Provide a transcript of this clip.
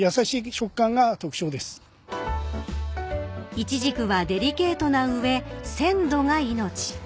［イチジクはデリケートな上鮮度が命］